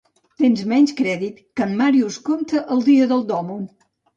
Tens menys crèdit que en Màrius Comte el dia del Dòmund